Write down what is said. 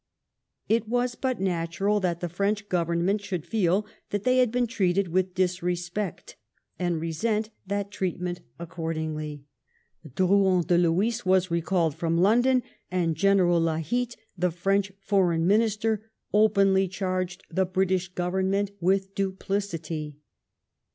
It was but natural that the French Government should feel that they had been treated with disrespect, and resent that treatment accordingly. Drouyn da 184 LIFE OF VISCOUNT PALMEBSTON. Lhays was recalled from London, and General Labitte^ the French Foreign Minister, openly charged the British Government with duplicity.